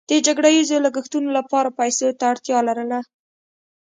د جګړه ییزو لګښتونو لپاره پیسو ته اړتیا لرله.